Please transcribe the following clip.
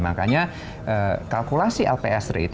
makanya kalkulasi lps rate